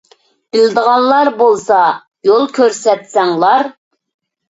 بىلىدىغانلار بولسا يول كۆرسەتسەڭلار.